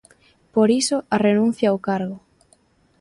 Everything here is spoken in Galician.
Por iso a renuncia ao cargo.